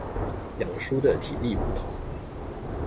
兩書的體例不同